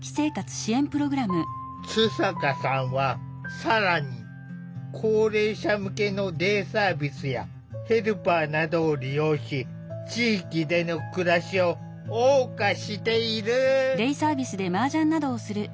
津坂さんは更に高齢者向けのデイサービスやヘルパーなどを利用し地域での暮らしをおう歌している。